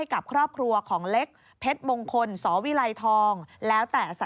ก็เป็นกางเกงของฝาใหม่นะ